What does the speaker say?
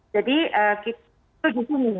jadi itu disini